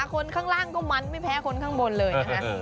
คนข้างล่างก็มันไม่แพ้คนข้างบนเลยนะคะ